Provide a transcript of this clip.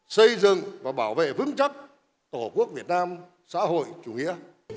xây dựng và bảo vệ vững chắc tổ quốc việt nam xã hội chủ nghĩa